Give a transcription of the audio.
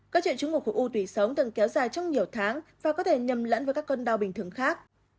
các triệu chứng của khổ u tùy sống thường kéo dài trong nhiều tháng và có thể nhầm lẫn với các con đau bình thường khác